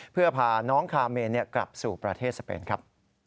เพื่อพาน้องคาเมนกลับสู่ประเทศสเปนครับ